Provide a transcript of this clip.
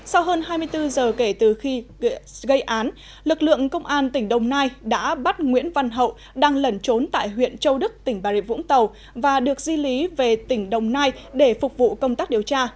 sau hơn hai mươi bốn giờ kể từ khi gây án lực lượng công an tỉnh đồng nai đã bắt nguyễn văn hậu đang lẩn trốn tại huyện châu đức tỉnh bà rịa vũng tàu và được di lý về tỉnh đồng nai để phục vụ công tác điều tra